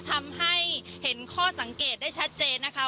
ทำให้เห็นข้อสังเกตได้ชัดเจนนะคะ